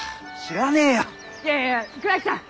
いやいやいや倉木さん！